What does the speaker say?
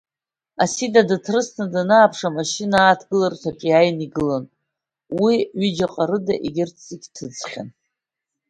Асида дыҭрысны данааԥш, амашьына ааҭгыларҭаҿы иааины игылан, уи ҩыџьаҟа рыда егьырҭ зегьы ҭыҵхьан.